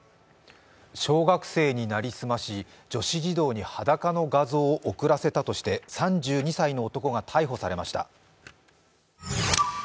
小学生に成り済まし女子児童に裸の画像を送らせたとして３２歳の男が逮捕されました。